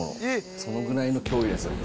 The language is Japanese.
そのぐらいの脅威ですよね。